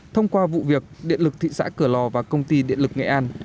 thông qua vụ việc điện lực thị xã cửa lò và công ty điện lực nghệ an